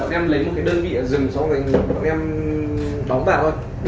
bọn em lấy một cái đơn vị ở rừng xong rồi bọn em đóng vào thôi